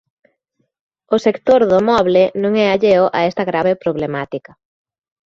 O sector do moble non é alleo a esta grave problemática.